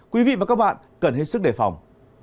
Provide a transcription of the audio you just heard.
quý vị và các bạn cần hết sức đề phòng